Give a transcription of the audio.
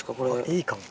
いいかも。